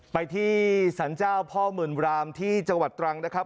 ไปที่สรรเจ้าพ่อหมื่นรามที่จังหวัดตรังนะครับ